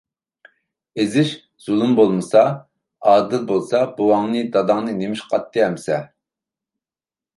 -ئېزىش، زۇلۇم بولمىسا، ئادىل بولسا، بوۋاڭنى، داداڭنى نېمىشقا ئاتتى ئەمىسە؟